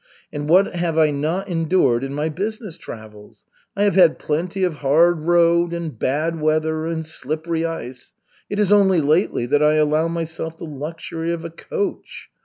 And what have I not endured in my business travels? I have had plenty of hard road and bad weather and slippery ice. It is only lately that I allow myself the luxury of a coach.